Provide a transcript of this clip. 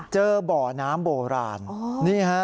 เจอบ่อน้ำโบราณ